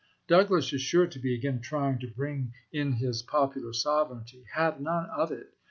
Douglas is sure to be again trying to bring in his " Popular Sovereignty." Have none of it.